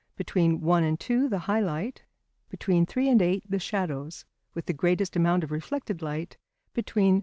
Between 1 and 2 the high light. Between 3 and 8 the shadows, with the greatest amount of reflected light between 5 and 6.